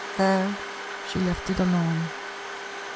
There she left it alone.